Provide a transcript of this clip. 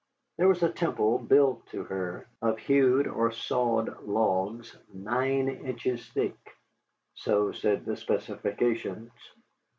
There was a temple built to her "of hewed or sawed logs nine inches thick" so said the specifications.